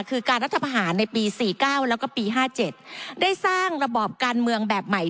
คือการรัฐประหารในปี๔๙แล้วก็ปี๕๗ได้สร้างระบอบการเมืองแบบใหม่